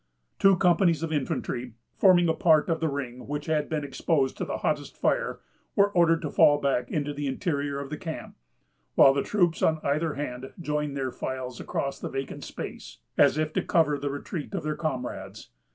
Two companies of infantry, forming a part of the ring which had been exposed to the hottest fire, were ordered to fall back into the interior of the camp; while the troops on either hand joined their files across the vacant space, as if to cover the retreat of their comrades.